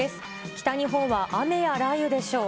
北日本は雨や雷雨でしょう。